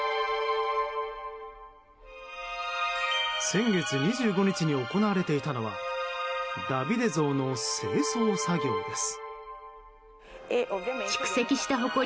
先月２５日に行われていたのはダビデ像の清掃作業です。